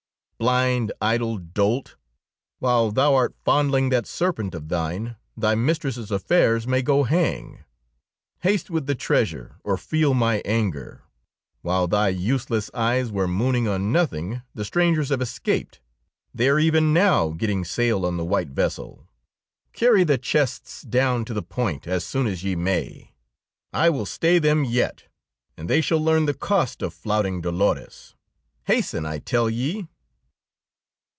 "Blind, idle dolt! While thou art fondling that serpent of thine, thy mistress's affairs may go hang! Haste with the treasure, or feel my anger. While thy useless eyes were mooning on nothing, the strangers have escaped. They are even now getting sail on the white vessel. Carry the chests down to the Point as soon as ye may. I will stay them yet, and they shall learn the cost of flouting Dolores! Hasten, I tell ye!"